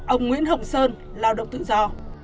ông nguyễn hồng sơn lao động tự do